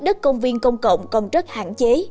đất công viên công cộng còn rất hạn chế